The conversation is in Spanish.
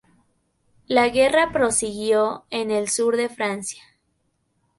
La guerra prosiguió en el sur de Francia.